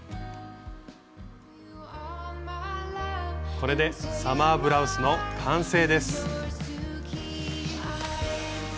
これでサマーブラウスの完成です。